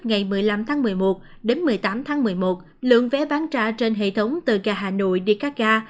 ngày một mươi năm tháng một mươi một đến một mươi tám tháng một mươi một lượng vé bán ra trên hệ thống từ ga hà nội đi các ga